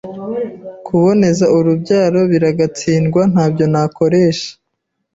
kuboneza urubyaro biragatsindwa ntabyo nakoresha